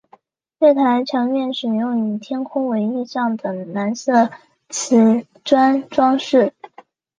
月台墙面使用以天空为意象的蓝色磁砖装饰。